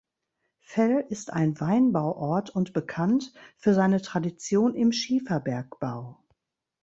Fell ist ein Weinbauort und bekannt für seine Tradition im Schieferbergbau.